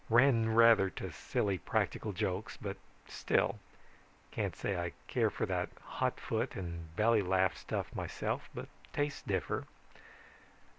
Ran rather to silly practical jokes, but still. Can't say I care for that hot foot and belly laugh stuff myself, but tastes differ.